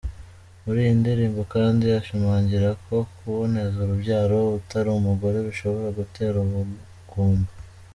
Muri iyi ndirimbo kandi, ashimangira ko kuboneza urubyaro utari umugore bishobora gutera ubugumba.